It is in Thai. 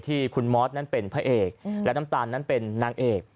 ที่คุณมอสนั้นเป็นพระเอกและน้ำตาลนั้นเป็นนางเอก